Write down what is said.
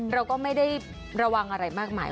เราก็ไม่ได้ระวังอะไรมากมาย